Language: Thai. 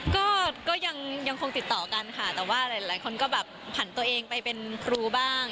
ก็ยังคงติดต่อกันค่ะแต่ว่าหลายคนก็แบบผ่านตัวเองไปเป็นครูบ้าง